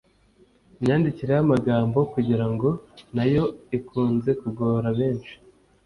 Imyandikire y’amagambo “kugira ngo” na yo ikunze kugora benshi